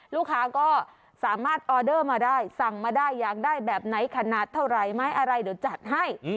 ลูกค้าก็สามารถออเดอร์มาได้สั่งมาได้อยากได้แบบไหนขนาดเท่าไหร่ไหมอะไรเดี๋ยวจัดให้